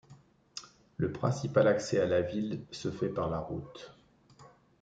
Le principal accès à la ville se fait par la route.